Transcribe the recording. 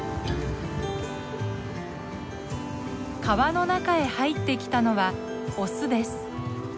川の中へ入ってきたのはオスです。